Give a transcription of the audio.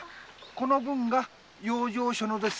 この分が養生所のです。